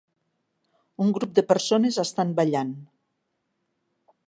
Un grup de persones estan ballant.